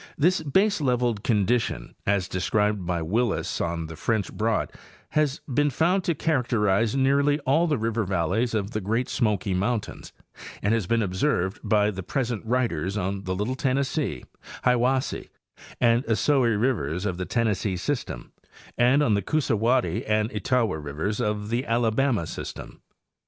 This baseleveled condition, as described by Willis on the French Broad, has been found to characterize nearly all the river valleys of the Great Smoky mountains and has been observed by the present writers on the Little Tennessee, Hiwassee and Ocoee rivers of the Tennessee system and on the Coosawattee and Etowah rivers of the Alabama system.